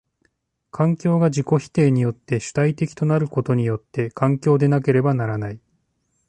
環境が自己否定によって主体的となることによって環境でなければならない。